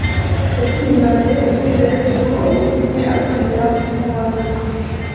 Yatsimbaraye ku cyizere cy'uko umunsi umwe azongera kumubona